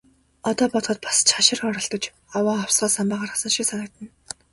Одоо бодоход бас ч хашир оролдож, овоо овсгоо самбаа гаргасан шиг санагдана.